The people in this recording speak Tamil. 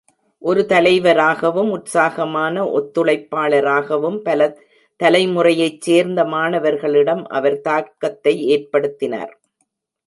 ஒரு தலைவராகவும், உற்சாகமான ஒத்துழைப்பாளராகவும் பல தலைமுறையைச் சேர்ந்த மாணவர்களிடம் அவர் தாக்கத்தை ஏற்படுத்தினார்.